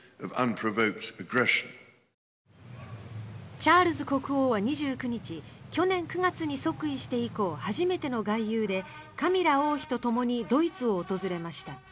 チャールズ国王は２９日去年９月に即位して以降初めての外遊でカミラ王妃とともにドイツを訪れました。